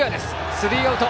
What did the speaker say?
スリーアウト。